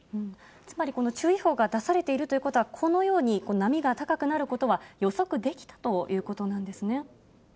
つまりこの注意報が出されているということは、このように波が高くなることは予測できたということなんですね。